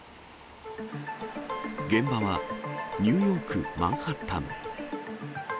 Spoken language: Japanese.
現場は、ニューヨーク・マンハッタン。